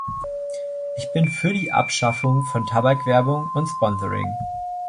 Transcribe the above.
Ich bin für die Abschaffung von Tabakwerbung und -sponsoring.